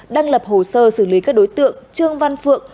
đang lập hồ sơ xử lý các đối tượng trương văn phượng